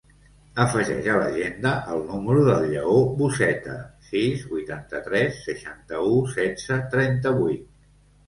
Afegeix a l'agenda el número del Lleó Buceta: sis, vuitanta-tres, seixanta-u, setze, trenta-vuit.